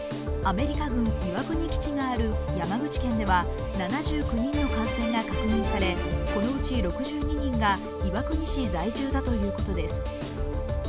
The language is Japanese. アメリカ軍岩国基地がある山口県では７９人の感染が確認され、このうち６２人が岩国市在住だということです。